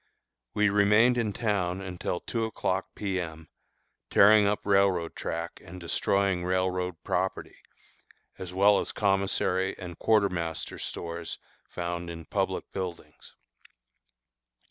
We remained in town until two o'clock P. M., tearing railroad track and destroying railroad property, as well as commissary and quartermaster stores found in public buildings.